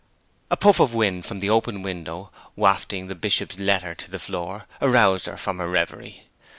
A puff of wind from the open window, wafting the Bishop's letter to the floor, aroused her from her reverie.